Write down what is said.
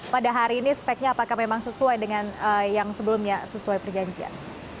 pada hari ini speknya apakah memang sesuai dengan yang sebelumnya sesuai perjanjian